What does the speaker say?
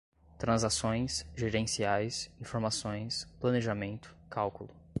transações, gerenciais, informações, planejamento, cálculo